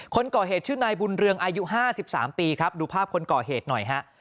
คนก่อเหตุชื่อนายบุญเรืองอายุ๕๓ปีครับดูภาพคนก่อเหตุหน่อยฮะ